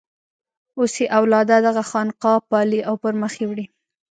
اوس یې اولاده دغه خانقاه پالي او پر مخ یې وړي.